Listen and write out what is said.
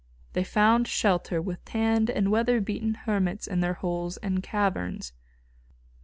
They found shelter with tanned and weather beaten hermits in their holes and caverns.